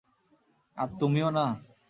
আর তুমিও না।